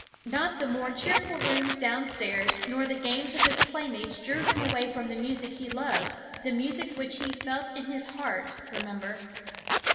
Not the more cheerful rooms down stairs nor the games of his playmates drew him away from the music he loved, the music which he felt in his heart, remember.